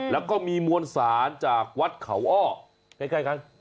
แล้วก็มีมวลสารจากวัดเขาอ้อคล้ายกัน